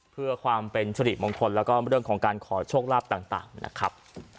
เพื่อความเป็นสิริมงคลแล้วก็เรื่องของการขอโชคลาภต่างนะครับ